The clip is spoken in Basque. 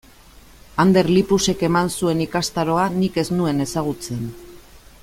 Ander Lipusek eman zuen ikastaroa nik ez nuen ezagutzen.